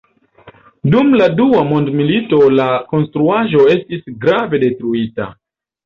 Dum la Dua Mondmilito la konstruaĵo estis grave difektita.